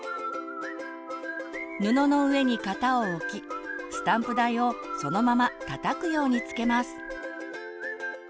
布の上に型を置きスタンプ台をそのままたたくようにつけます。